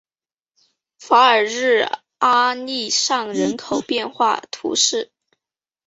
法尔日阿利尚人口变化图示